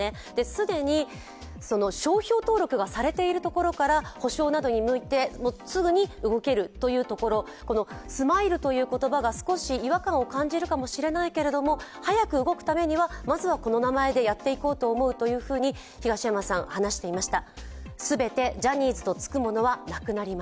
既に商標登録をされているところから補償などに向いてすぐに動けるというところＳＭＩＬＥという言葉が少し違和感を感じるかもしれないけれども、早く動くためには、まずこの名前でやっていこうと思うと東山さん、話していました。